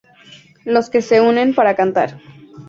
Los que se unen para cantar.